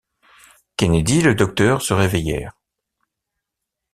Kennedy et le docteur se réveillèrent.